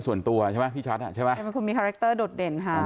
ส่วนตัวใช่ไหมพี่ชัดอ่ะใช่ไหมต้องมีคาแร็กเตอร์ดอดเด่นครับ